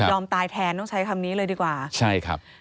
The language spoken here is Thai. ตายแทนต้องใช้คำนี้เลยดีกว่าใช่ครับ